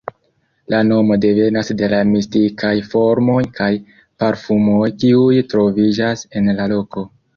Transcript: La nomo devenas de la mistikaj formoj kaj parfumoj kiuj troviĝas en la loko.